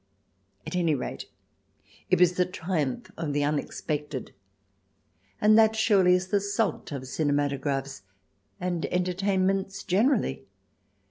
At any rate, it was the triumph of the unexpected, and that surely is the salt of cinemato graphs and entertainments generally.